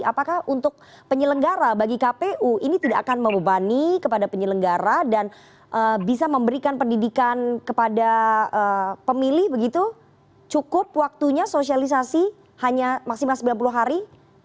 apakah untuk penyelenggara bagi kpu ini tidak akan membebani kepada penyelenggara dan bisa memberikan pendidikan kepada pemilih begitu cukup waktunya sosialisasi hanya maksimal sembilan puluh hari